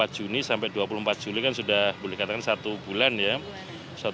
empat juni sampai dua puluh empat juli kan sudah boleh dikatakan satu bulan ya